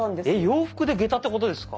洋服で下駄ってことですか？